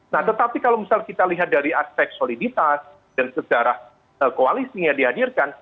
nah tetapi kalau misal kita lihat dari aspek soliditas dan sejarah koalisinya dihadirkan